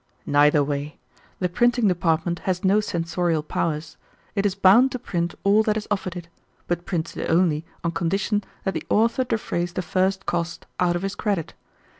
"Neither way. The printing department has no censorial powers. It is bound to print all that is offered it, but prints it only on condition that the author defray the first cost out of his credit.